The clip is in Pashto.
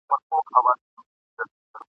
چي ګوربت د غره له څوکي په هوا سو !.